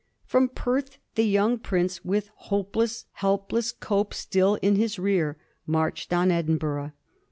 From Perth the young prince, with hopeless, help less Cope still in his rear, marched on Edinburgh.